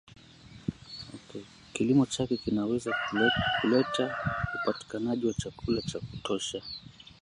kilimo chake kinaweza kuleta upatikanaji wa chakula cha kutosha